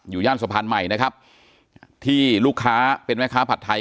ย่านสะพานใหม่นะครับที่ลูกค้าเป็นแม่ค้าผัดไทย